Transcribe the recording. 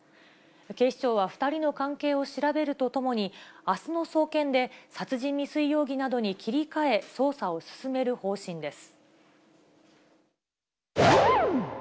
警視庁は２人の関係を調べるとともに、あすの送検で、殺人未遂容疑などに切り替え、捜査を進める方針です。